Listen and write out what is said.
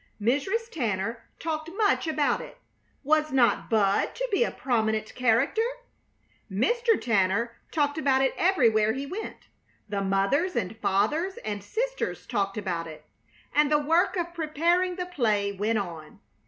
Mrs. Tanner talked much about it. Was not Bud to be a prominent character? Mr. Tanner talked about it everywhere he went. The mothers and fathers and sisters talked about it, and the work of preparing the play went on.